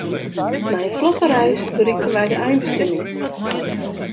Nei in flotte reis berikten wy de einbestimming.